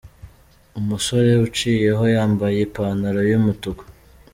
Umusore uciyeho yambaye ipantaro yu mutuku.